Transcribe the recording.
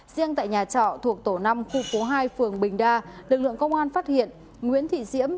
riêng tại nhà trọ thuộc tổ năm khu phố hai phường bình đa lực lượng công an phát hiện nguyễn thị diễm